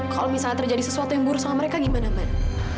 kalo misalnya terjadi sesuatu yang berusaha mereka gimana man